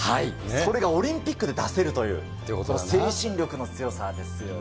それがオリンピックで出せるという、その精神力の強さですよね。